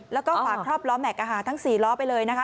แล้วก็ฝาครอบล้อแม็กซ์ทั้ง๔ล้อไปเลยนะคะ